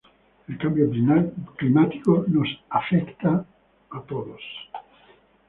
El cambio climático nos afecta a todos.